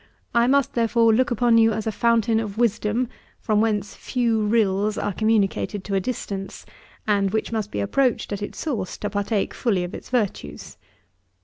I must, therefore, look upon you as a fountain of wisdom, from whence few rills are communicated to a distance, and which must be approached at its source, to partake fully of its virtues.